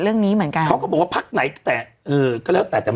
หืมหืมหืมหืมหืม